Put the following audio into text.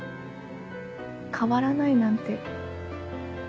変わらないなんて。